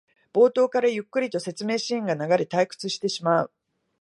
冒頭からゆっくりと説明シーンが流れ退屈してしまう